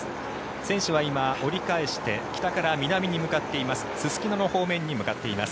選手は今、折り返して北から南に向かっています。